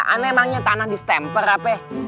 ananya emangnya tanah di stemper apa